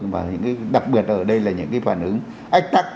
và những cái đặc biệt ở đây là những cái phản ứng ách tắc